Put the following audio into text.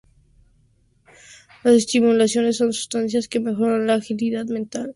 Los estimulantes son sustancias que mejoran la agilidad mental, atención, concentración, y resistencia psíquica.